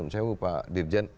saya lupa dirjen